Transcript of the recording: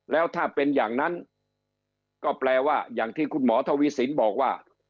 แล้วถ้าเป็นอย่างนั้นก็แปลว่าอย่างที่คุณหมอทวีสินบอกว่า